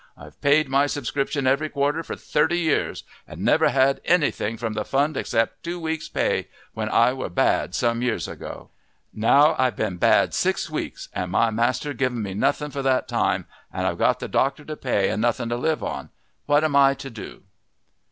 I've paid my subscription every quarter for thirty years and never had nothing from the fund except two weeks' pay when I were bad some years ago. Now I've been bad six weeks, and my master giv' me nothing for that time, and I've got the doctor to pay and nothing to live on. What am I to do?"